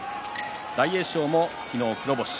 大栄翔も昨日、黒星。